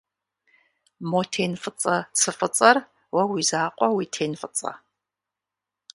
Мо тен фӏыцӏэ цы фӏыцӏэр уэ уи закъуэ уи тен фӏыцӏэ?